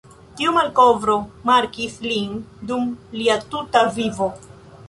Tiu malkovro markis lin dum lia tuta vivo.